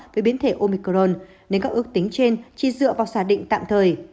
với biến thể omicron nên các ước tính trên chỉ dựa vào giả định tạm thời